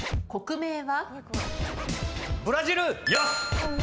国名は？